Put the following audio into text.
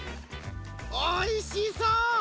おいしそう！